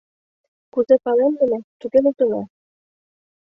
— Кузе палемдыме, туге луктына.